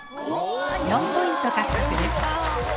４ポイント獲得です。